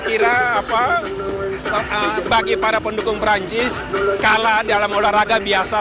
kira bagi para pendukung perancis kalah dalam olahraga biasa